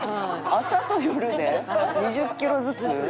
朝と夜で２０キロずつ？